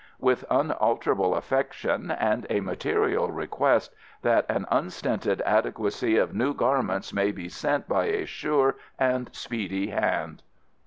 With unalterable affection and a material request that an unstinted adequacy of new garments may be sent by a sure and speedy hand.